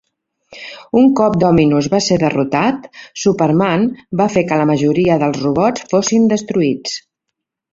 Un cop Dominus va ser derrotat, Superman va fer que la majoria dels robots fossin destruïts.